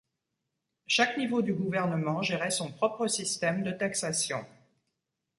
Chaque niveau du gouvernement gérait son propre système de taxation.